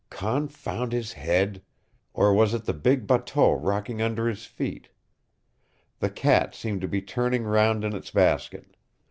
Confound his head! Or was it the big bateau rocking under his feet? The cat seemed to be turning round in its basket.